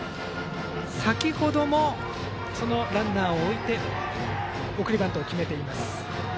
先程もランナーを置いて送りバントを決めています。